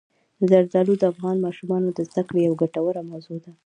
زردالو د افغان ماشومانو د زده کړې یوه ګټوره موضوع ده.